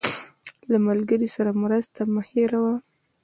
له ملګري سره مرسته مه هېروه.